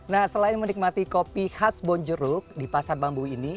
nah selain menikmati kopi khas bonjeruk di pasar bambu ini